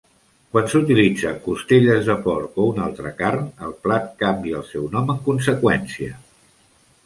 Quan s'utilitzen costelles de porc o una altre carn, el plat canvia el seu nom en conseqüència.